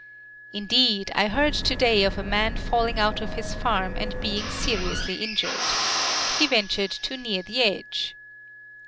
"Indeed, I heard today of a man falling out of his farm and being seriously injured. He ventured too near the edge.